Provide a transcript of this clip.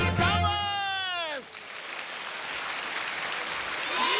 イエイ！